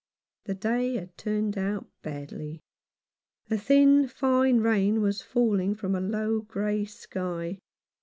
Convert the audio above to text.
The day had turned out badly. A thin, fine rain was falling from a low grey sky.